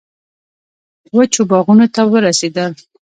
وچو باغونو ته ورسېدل.